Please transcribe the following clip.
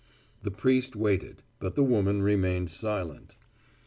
The priest waited, but the woman remained silent.